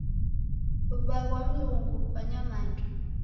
W'ubaa ghwa Mlungu kwa nyamandu.